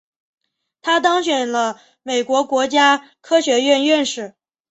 他当选了美国国家科学院院士。